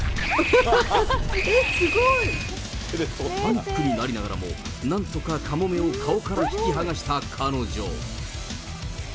パニックになりながらも、なんとかカモメを顔から引き剥がした彼女。